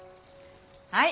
はい。